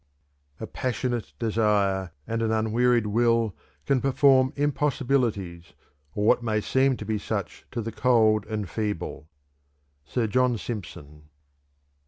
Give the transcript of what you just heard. _ "A passionate desire and an unwearied will can perform impossibilities, or what may seem to be such to the cold and feeble." _Sir John Simpson.